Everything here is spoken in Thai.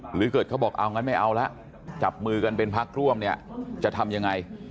หรือเกิดเขาบอกเอางั้นไม่เอาละจับมือกันเป็นพักร่วมเนี่ยจะทำยังไง